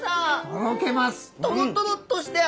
とろけます！